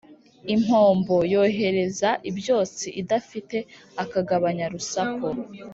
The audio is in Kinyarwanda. Impombo yohereza ibyotsi idafite akagabanya-rusaku